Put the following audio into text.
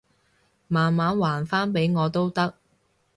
慢慢還返畀我都得